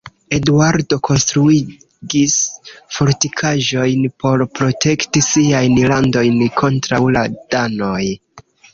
Eduardo konstruigis fortikaĵojn por protekti siajn landojn kontraŭ la danoj.